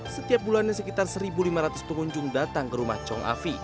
setiap bulannya sekitar satu lima ratus pengunjung datang ke rumah chong afi